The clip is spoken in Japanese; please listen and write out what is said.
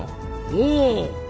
おお！